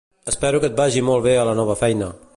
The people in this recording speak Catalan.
Espero que et vagi molt bé a la nova feina